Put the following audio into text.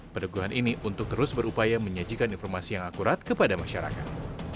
peneguhan ini untuk terus berupaya menyajikan informasi yang akurat kepada masyarakat